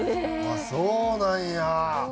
ああそうなんや！